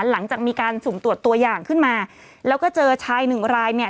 หลังจากมีการสุ่มตรวจตัวอย่างขึ้นมาแล้วก็เจอชายหนึ่งรายเนี่ย